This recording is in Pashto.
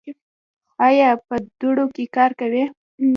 ایا په دوړو کې کار کوئ؟